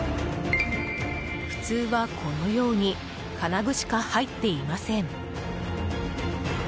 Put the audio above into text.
普通は、このように金具しか入っていません。